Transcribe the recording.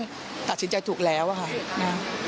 ปี๖๕วันเช่นเดียวกัน